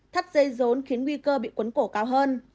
thắt dây rốn khiến nguy cơ bị quấn cổ cao hơn